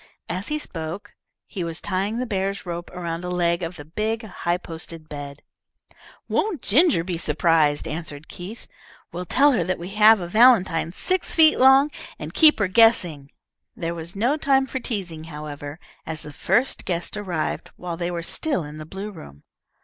As he spoke, he was tying the bear's rope around a leg of the big, high posted bed. "Won't Ginger be surprised?" answered Keith. "We'll tell her that we have a valentine six feet long, and keep her guessing." There was no time for teasing, however, as the first guest arrived while they were still in the blue room.